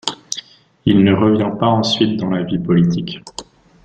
Il ne revient pas ensuite dans la vie politique.